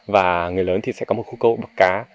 và người lớn thì sẽ có một khu câu bậc cá